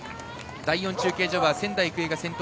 第４中継所は仙台育英が先頭。